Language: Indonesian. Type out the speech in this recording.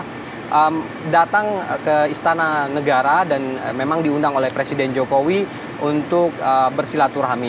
mereka datang ke istana negara dan memang diundang oleh presiden jokowi untuk bersilaturahmi